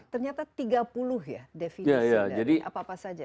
ternyata tiga puluh ya definisi dari apa apa saja